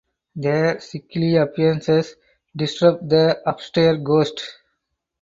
Their sickly appearances disturb the upstairs ghosts.